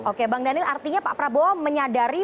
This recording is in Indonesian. oke bang daniel artinya pak prabowo menyadari